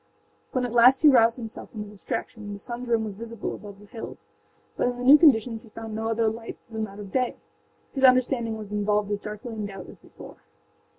When at last he roused himself from his abstraction the sunâs rim was visible above the hills, but in the new conditions he found no other light than that of day; his understanding was involved as darkly in doubt as before.